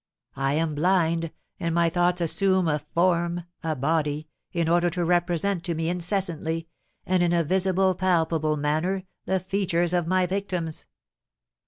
I am blind, and my thoughts assume a form, a body, in order to represent to me incessantly, and in a visible, palpable manner, the features of my victims.